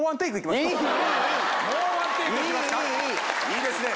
いいですね